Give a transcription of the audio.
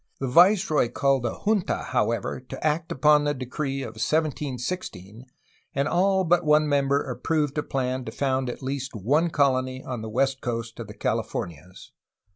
The viceroy called a junta,^ however, to act upon the decree of 1716, and all but one member approved a plan to found at least one colony on the west coast of the Californias.